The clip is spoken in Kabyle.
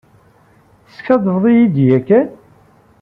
Teskaddebeḍ-iyi-d yakan?